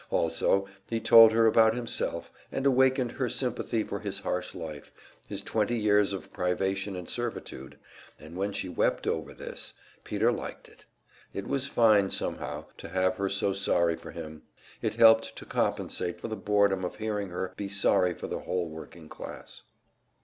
Also, he told her about himself, and awakened her sympathy for his harsh life, his twenty years of privation and servitude; and when she wept over this, Peter liked it. It was fine, somehow, to have her so sorry for him; it helped to compensate him for the boredom of hearing her be sorry for the whole working class.